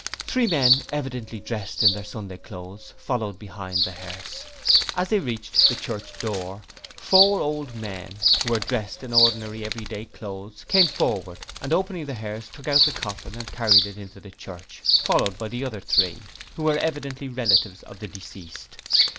Three men, evidently dressed in their Sunday clothes, followed behind the hearse. As they reached the church door, four old men who were dressed in ordinary everyday clothes, came forward and opening the hearse took out the coffin and carried it into the church, followed by the other three, who were evidently relatives of the deceased.